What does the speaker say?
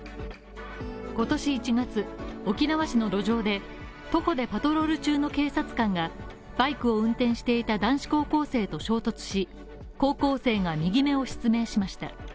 今年１月、沖縄市の路上で、徒歩でパトロール中の警察官がバイクを運転していた男子高校生と衝突し、高校生が右目を失明しました。